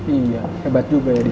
iya hebat juga ya